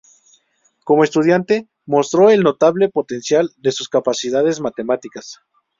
Como estudiante, mostró el notable potencial de sus capacidades matemáticas.